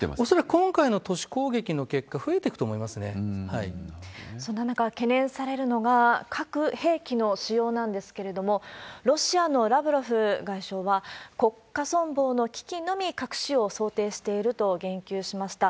今回の都市攻撃の結果、そんな中、懸念されるのが核兵器の使用なんですけれども、ロシアのラブロフ外相は、国家存亡の危機のみ核使用を想定していると言及しました。